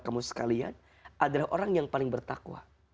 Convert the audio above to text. kamu sekalian adalah orang yang paling bertakwa